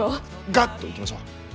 ガッといきましょう。